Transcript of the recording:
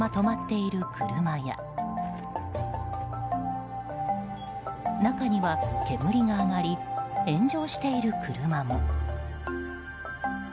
追突したまま止まっている車や中には煙が上がり炎上している車も。